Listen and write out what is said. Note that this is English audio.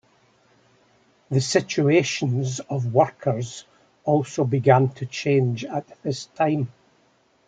The situations of workers also began to change at this time.